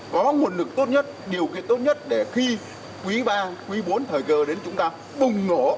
có nguồn lực tốt nhất điều kiện tốt nhất để khi quý ba quý bốn thời cơ đến chúng ta bùng nổ